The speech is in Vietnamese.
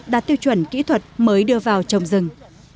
đạt tiêu chuẩn kỹ thuật mới đưa vào trồng rừng